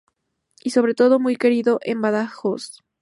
Y sobre todo muy querido en Badajoz.